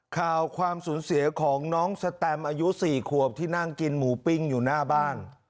ความสูญเสียของน้องสแตมอายุ๔ขวบที่นั่งกินหมูปิ้งอยู่หน้าบ้าน